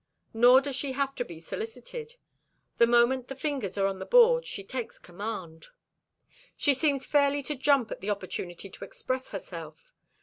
Nor does she have to be solicited. The moment the fingers are on the board she takes command. She seems fairly to jump at the opportunity to express herself.